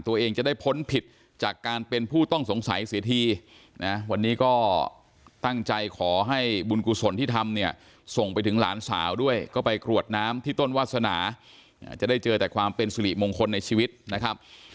ตัวเองจะได้พ้นผิดจากการเป็นผู้ต้องสงสัยเสียทีนะวันนี้ก็ตั้งใจขอให้บุญกุศลที่ทำเนี่ยส่งไปถึงหลานสาวด้วยก็ไปกรวดน้ำที่ต้นวาสนาจะได้เจอแต่ความเป็นสิริมงคลในชีวิตนะครับ